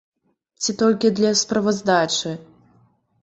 Ці толькі для справаздачы?